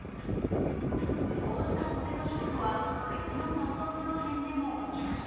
こうしたポテトショックは、別のファストフード店でも起きました。